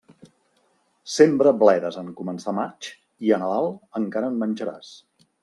Sembra bledes en començar maig, i a Nadal encara en menjaràs.